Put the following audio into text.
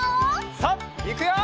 さあいくよ！